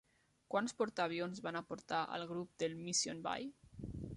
Quants portaavions van aportar el grup del "Mission Bay"?